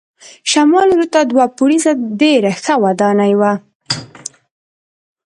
شمال لور ته دوه پوړیزه ډېره ښه ودانۍ وه.